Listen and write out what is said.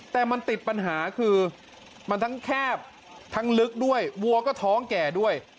แต่มันติดปัญหาคือมันทั้งแคบทั้งลึกด้วยวัวก็ท้องแก่ด้วย